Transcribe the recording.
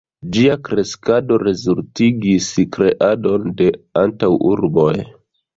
Ĝia kreskado rezultigis kreadon de antaŭurboj.